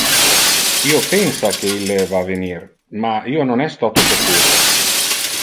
Io pensa que ille va venir, ma io non es toto secur.